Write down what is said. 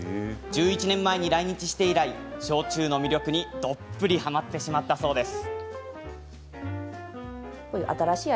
１１年前に来日して以来焼酎の魅力に、どっぷりはまってしまったそうです。